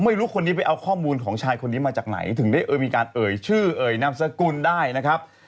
ไม่รู้คนนี้ไปเอาข้อมูลของชายคนนี้มาจากไหนถึงได้มีการเอ่ยชื่อเอ่ยนามสกุลได้นะครับ